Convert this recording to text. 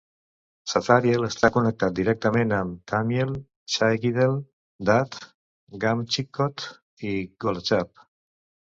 Sathariel està connectat directament amb Thamiel, Chaigidel, Da'at, Gamchicoth i Golachab.